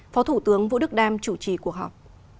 chúng vũ đức đam chủ trì cuộc họp